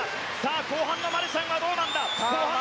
後半のマルシャンはどうだ。